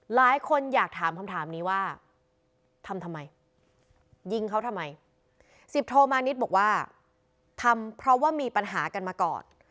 หลายคนอยากถามคำถามนี้ว่าทำทำไมยิงเขาทำไมสิบโทมานิดบอกว่าทำเพราะว่ามีปัญหากันมาก่อน